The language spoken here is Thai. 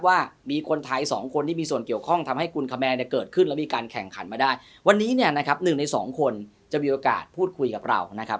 วันนี้เนี่ยนะครับหนึ่งในสองคนจะมีโอกาสพูดคุยกับเรานะครับ